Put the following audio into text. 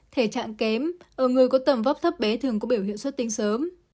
thể trạng kém ở người có tầm vóc thấp bé thường có biểu hiện xuất tinh sớm